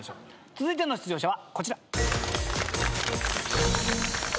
続いての出場者はこちら。